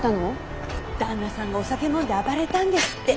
旦那さんがお酒飲んで暴れたんですって。